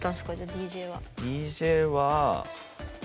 ＤＪは。